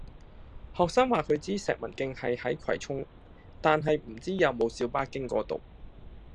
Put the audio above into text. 學生話佢知石文徑係喺葵涌，但係唔知有冇小巴經嗰度